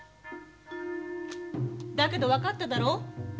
だけど分かっただろ？